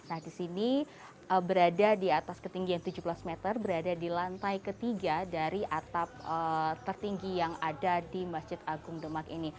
nah di sini berada di atas ketinggian tujuh belas meter berada di lantai ketiga dari atap tertinggi yang ada di masjid agung demak ini